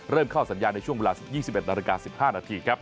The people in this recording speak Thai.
เริ่มเข้าสัญญาณในช่วงเวลา๒๑น๑๕น